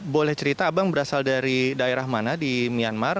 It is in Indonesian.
boleh cerita abang berasal dari daerah mana di myanmar